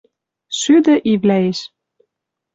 шӱдӹ ивлӓэш